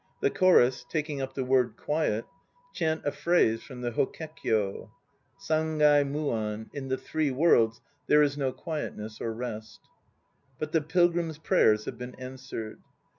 The chorus, taking up the word "quiet," chant a phrase from the Hokkekyo: Sangai Mu an, "In the Three Worlds there is no quietness or rest." But the Pilgrim's prayers have been answered.